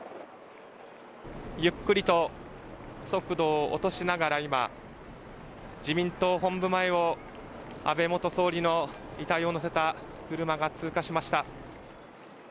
ゆっくりと速度を落としながら今自民党本部前を安倍元総理の遺体を乗せた車が通過しました。